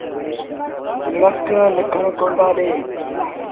لُڙڪ ليٚکڻ ڪوندآ ڏيݩ۔